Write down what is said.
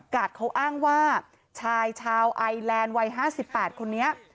เขาอ้างว่าชายชาวไอแลนด์วัย๕๘คนนี้